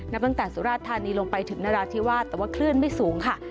ตั้งแต่สุราชธานีลงไปถึงนราธิวาสแต่ว่าคลื่นไม่สูงค่ะ